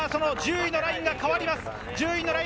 １０位のラインが変わります。